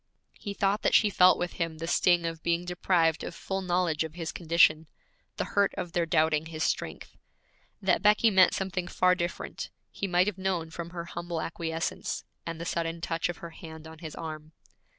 He thought that she felt with him the sting of being deprived of full knowledge of his condition, the hurt of their doubting his strength. That Becky meant something far different, he might have known from her humble acquiescence, and the sudden touch of her hand on his arm.